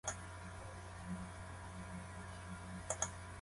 様々な理由があった。やむにやまれない理由もあれば、全く理解できない理由もあった。